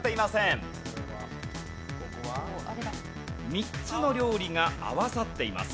３つの料理が合わさっています。